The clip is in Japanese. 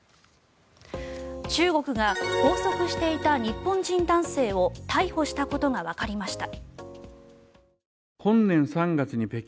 中国が拘束していた日本人男性を逮捕したことがわかりました。